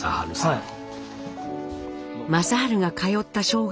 はい。